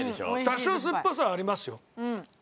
多少すっぱさはありますよ。